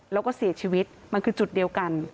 แล้วก็เสียชีวิตมันคือจุดเดียวกัน